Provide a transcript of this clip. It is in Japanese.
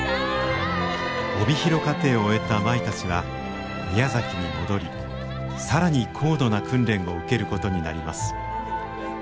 帯広課程を終えた舞たちは宮崎に戻り更に高度な訓練を受けることになります。